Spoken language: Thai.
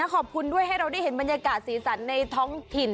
ขอบคุณด้วยให้เราได้เห็นบรรยากาศสีสันในท้องถิ่น